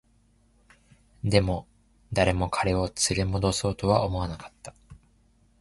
でも、誰も彼を連れ戻そうとは思わなかった